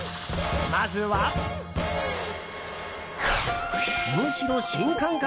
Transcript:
まずは、むしろ新感覚？